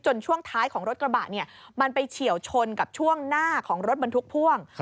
ช่วงท้ายของรถกระบะเนี่ยมันไปเฉียวชนกับช่วงหน้าของรถบรรทุกพ่วง